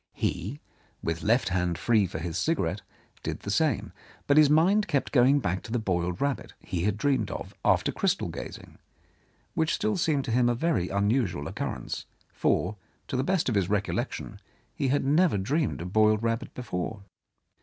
He, with left hand free for his cigarette, did the same, but his mind kept going back to the boiled rabbit he had dreamed of after crystal gazing, which still seemed to him a very unusual occurrence, for, to the best of his recollection, he had never dreamed of boiled rabbit before.